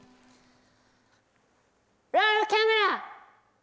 ロールキャメラ！